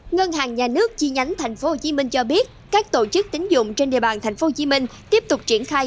ngân hàng nhà nước chi nhánh tp hcm cho biết các tổ chức tính dụng trên địa bàn tp hcm tiếp tục triển khai